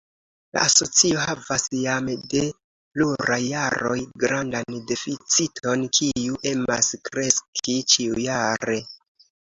La asocio havas jam de pluraj jaroj grandan deficiton, kiu emas kreski ĉiujare.